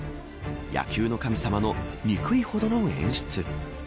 野球の神様の憎いほどの演出。